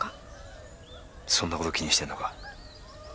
そんな事気にしてんのか？